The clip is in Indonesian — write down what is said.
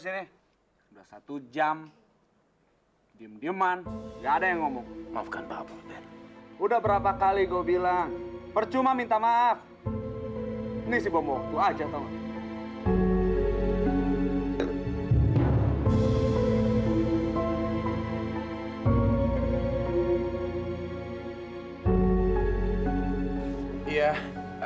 sekarang gini aja deh